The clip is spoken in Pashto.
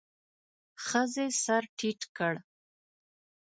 ښځې سر ټيت کړ.